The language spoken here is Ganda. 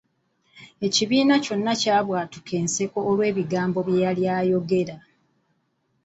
Ekibiina kyonna kyabwatuka enseko olw'ebigambo byeyali ayogera.